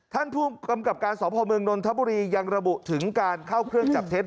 ท่านผู้กำกับการสพเมืองนนทบุรียังระบุถึงการเข้าเครื่องจับเท็จ